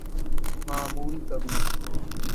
معمول کبھی ‘‘۔